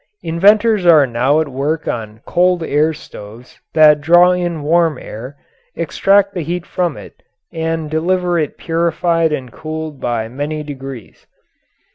Inventors are now at work on cold air stoves that draw in warm air, extract the heat from it, and deliver it purified and cooled by many degrees.